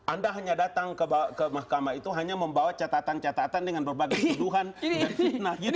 anda hanya datang ke mahkamah itu hanya membawa catatan catatan dengan berbagai tuduhan dan fitnah gitu